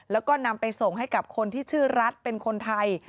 แล้วก็นำไปส่งให้กับคนที่ชื่อรัฐเป็นคนไทย